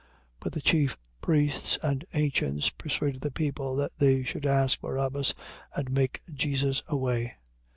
27:20. But the chief priests and ancients persuaded the people that they should ask Barabbas and make Jesus away.